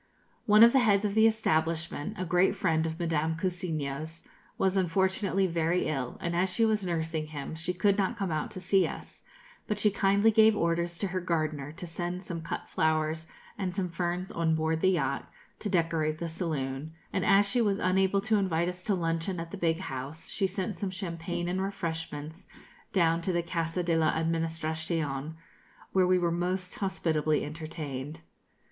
One of the heads of the establishment, a great friend of Madame Cousiño's, was unfortunately very ill, and as she was nursing him, she could not come out to see us; but she kindly gave orders to her gardener to send some cut flowers and some ferns on board the yacht, to decorate the saloon; and as she was unable to invite us to luncheon at the big house, she sent some champagne and refreshments down to the Casa de la Administracion, where we were most hospitably entertained.